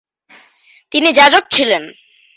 তিনি যাজক ছিলেন।